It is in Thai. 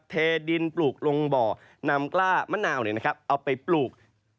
เทดินปลูกลงบ่อนำกล้ามะนาวเอาไปปลูก